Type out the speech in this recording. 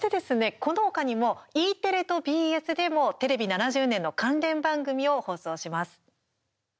この他にもＥテレとＢＳでもテレビ７０年の関連番組を放送します。